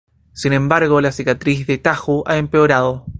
Sin embargo, la cicatriz de Tahu ha empeorado.